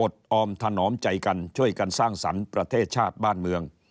ออมถนอมใจกันช่วยกันสร้างสรรค์ประเทศชาติบ้านเมือง